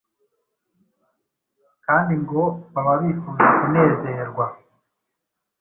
kandi ngo baba bifuza kunezerwa